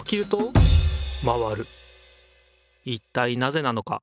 いったいなぜなのか。